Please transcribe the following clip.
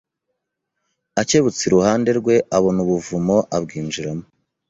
Akebutse iruhande rwe abona ubuvumo abwinjiramo